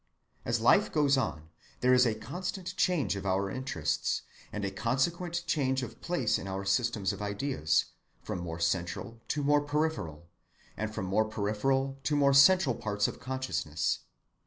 As life goes on, there is a constant change of our interests, and a consequent change of place in our systems of ideas, from more central to more peripheral, and from more peripheral to more central parts of consciousness.